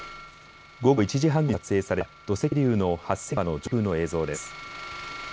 午後１時半ごろに撮影された土石流の発生現場の上空の映像です。